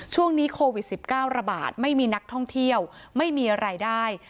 ช่วงนี้โควิด๑๙ระบาดไม่มีนักท่องเที่ยวไม่มีรายได้